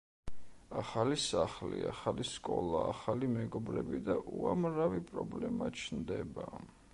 ახალი სახლი, ახალი სკოლა, ახალი მეგობრები და უამრავი პრობლემა ჩნდება.